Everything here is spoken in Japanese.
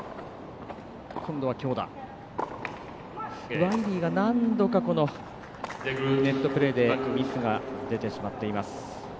ワイリーが何度かネットプレーでミスが出てしまっています。